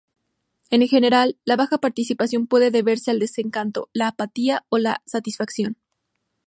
En general, la baja participación puede deberse al desencanto, la apatía o la satisfacción.